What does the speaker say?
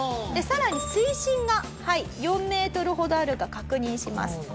さらに水深が４メートルほどあるか確認します。